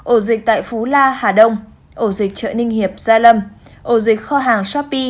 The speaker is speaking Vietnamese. ổ dịch tại phú la hà đông ổ dịch chợ ninh hiệp gia lâm ổ dịch kho hàng shopee